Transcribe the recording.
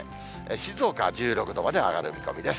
静岡は１６度まで上がる見込みです。